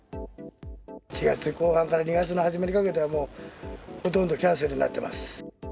１月後半から２月の初めにかけては、もうほとんどキャンセルになってます。